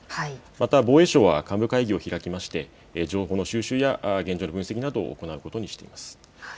また防衛省は幹部会議を開きまして情報の収集や現状の分析などを行うことにしています。